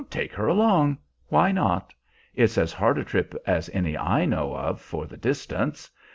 "Take her along. Why not? It's as hard a trip as any I know of, for the distance.